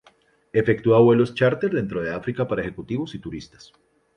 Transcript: Efectúa vuelos chárter dentro de África para ejecutivos y turistas.